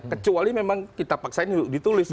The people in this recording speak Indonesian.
kecuali memang kita paksain ditulis